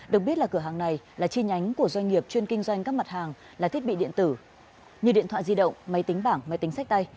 được biết là cửa hàng này là chi nhánh của doanh nghiệp chuyên kinh doanh các mặt hàng là thiết bị điện tử như điện thoại di động máy tính bảng máy tính sách tay